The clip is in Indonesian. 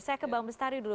saya ke bang bestari dulu